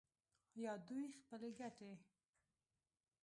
یا دوی خپلې ګټې